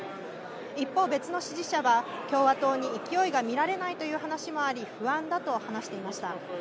一方、別の支持者は共和党に勢いが見られないという話もあり不安だと話していました。